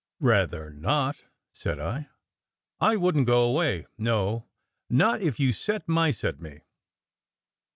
"Rather not!" said I. "I wouldn t go away no, not if you set mice at me!